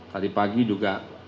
tadi pagi juga